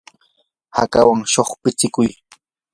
hakawan shuqpitsikuy.